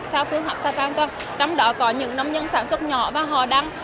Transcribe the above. theo phương hợp sản phẩm trong đó có những nông nhân sản xuất nhỏ và họ đang